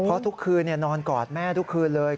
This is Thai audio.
เพราะทุกคืนนอนกอดแม่ทุกคืนเลย